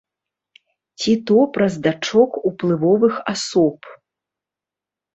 Ці то праз дачок уплывовых асоб.